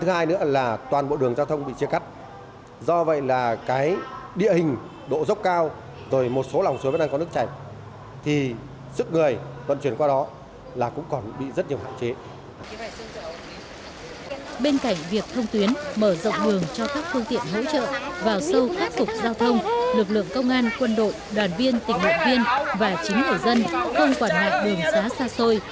lực lượng công an quân đội đoàn viên tỉnh bộ viên và chính người dân không quản ngại bường xá xa xôi